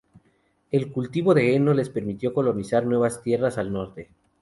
El cultivo de heno, les permitió colonizar nuevas tierras al norte.